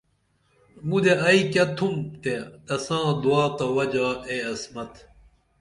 مُدے ائی کیہ تُھم تے تساں دعا تہ وجا اے عصمت